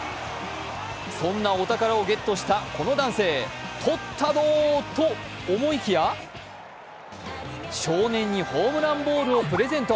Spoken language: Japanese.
そんなお宝をゲットしたこの男性取ったどーと思いきや少年にホームランボールをプレゼント。